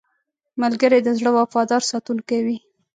ملګری د زړه وفادار ساتونکی وي